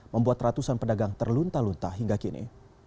membuat ratusan pedagang terlunta lunta hingga kini